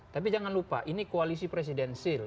tapi jangan lupa ini koalisi presidensil